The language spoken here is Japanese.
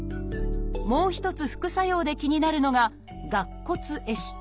もう一つ副作用で気になるのが「顎骨壊死」。